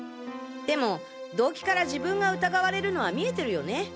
でも動機から自分が疑われるのは見えてるよね。